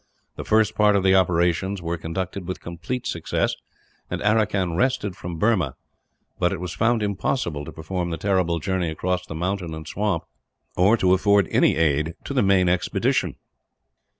The first part of the operations were conducted with complete success, and Aracan wrested from Burma; but it was found impossible to perform the terrible journey across mountain and swamp, or to afford any aid to the main expedition.